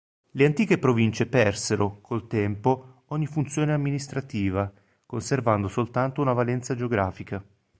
Le antiche province persero, col tempo, ogni funzione amministrativa, conservando soltanto una valenza geografica.